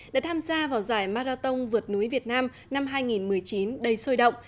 đã tham gia vào giải marathon vượt núi việt nam năm hai nghìn một mươi chín đầy sôi động